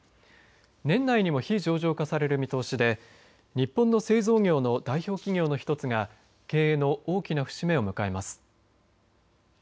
年内にも非上場化される見通しで日本の製造業の代表企業の一つが経営の大きな節目を迎えます。